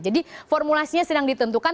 jadi formulasnya sedang ditentukan